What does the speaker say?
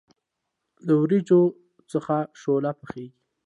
له وریجو څخه شوله پخیږي.